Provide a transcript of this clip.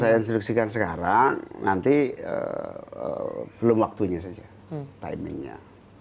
kalau saya instruksikan sekarang nanti belum waktunya saja timenya